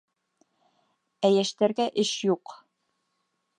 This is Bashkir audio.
Ә йәштәргә эш юҡ!